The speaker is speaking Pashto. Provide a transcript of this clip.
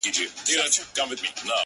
• چي پر اوښ دي څه بار کړي دي څښتنه,